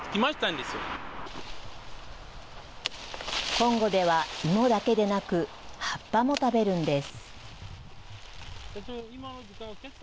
コンゴでは芋だけでなく、葉っぱも食べるんです。